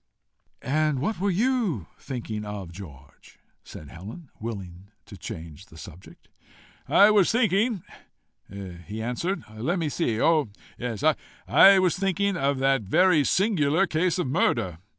"And what were you thinking of, George?" said Helen, willing to change the subject. "I was thinking," he answered, "let me see! oh! yes I was thinking of that very singular case of murder.